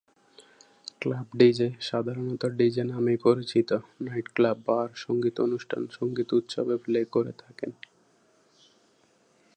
Club DJ, সাধারণত DJ নামেই পরিচিত; নাইটক্লাব, বার, সঙ্গীত অনুষ্ঠান, সঙ্গীত উৎসবে প্লে করে থাকেন।